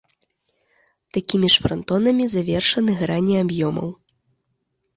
Такімі ж франтонамі завершаны грані аб'ёмаў.